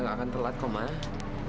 nggak akan telat kok ma